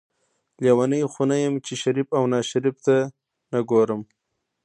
لیونۍ خو نه یم چې شریف او ناشریف ته نه ګورم.